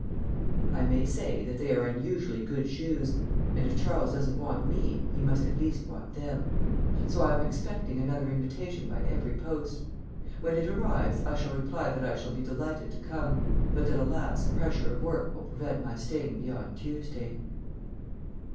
_" I may say that they are unusually good shoes, and if Charles doesn't want me he must at least want them. So I am expecting another invitation by every post. When it arrives I shall reply that I shall be delighted to come, but that, alas! pressure of work will prevent my staying beyond Tuesday.